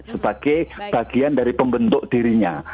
sebagai bagian dari pembentuk dirinya